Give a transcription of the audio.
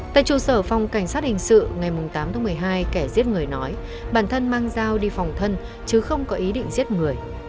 tại trụ sở phòng cảnh sát hình sự ngày tám tháng một mươi hai kẻ giết người nói bản thân mang dao đi phòng thân chứ không có ý định giết người